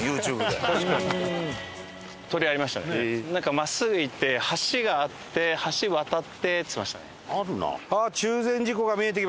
真っすぐ行って橋があって橋渡ってっつってましたね。